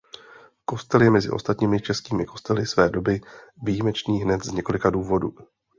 Kostel je mezi ostatními českými kostely své doby výjimečný hned z několika důvodů.